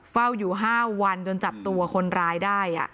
เฝ้าอยู่๕วันจนจับตัวคนร้ายได้